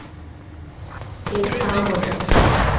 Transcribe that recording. এ তো তা নয়।